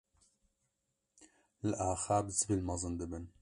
li axa bi zibil mezin dibin.